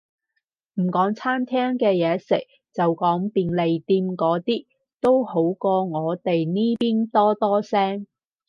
唔講餐廳嘅嘢食，就講便利店嗰啲，都好過我哋呢邊多多聲